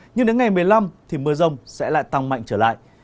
nhưng đến ngày một mươi năm thì mưa rông sẽ lại tăng mạnh trở lại